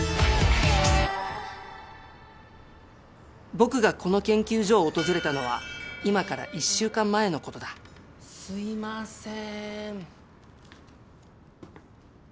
僕がこの研究所を訪れたのは今から１週間前のことだすいません。